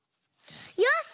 よし！